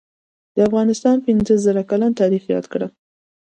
دافغانستان پنځه زره کلن تاریخ یاد کړه